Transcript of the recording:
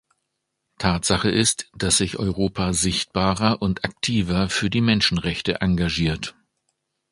Tatsache ist, dass sich Europa sichtbarer und aktiver für die Menschenrechte engagiert.